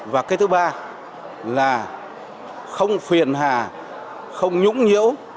và cái thứ ba là không phiền hà không nhũng nhiễu